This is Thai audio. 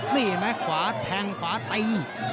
นี่เห็นไหมขวาแทงขวาตี